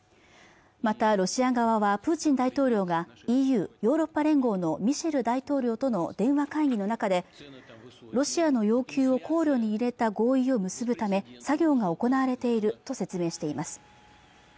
またロシア側はプーチン大統領がＥＵヨーロッパ連合のミシェル大統領との電話会議の中でロシアの要求を考慮に入れた合意を結ぶため作業が行われていると説明しています